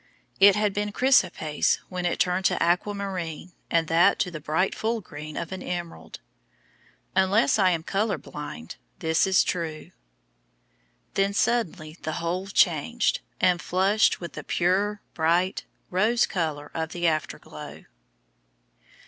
It had been chrysoprase, then it turned to aquamarine, and that to the bright full green of an emerald. Unless I am color blind, this is true. Then suddenly the whole changed, and flushed with the pure, bright, rose color of the afterglow.